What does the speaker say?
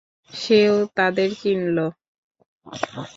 সেও তাদের চিনল।